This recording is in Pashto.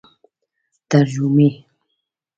ترژومۍ